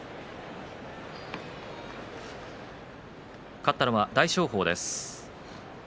勝ったのは大翔鵬です。